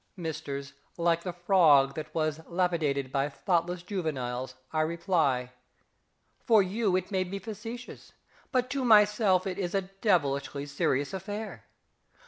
_) Misters, like the frog that was being lapidated by thoughtless juveniles, I reply: "for you it may be facetious; but to myself it is a devilishly serious affair!"